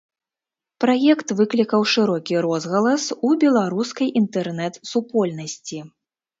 Праект выклікаў шырокі розгалас ў беларускай інтэрнэт-супольнасці.